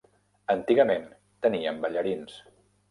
Antigament, teníem ballarins.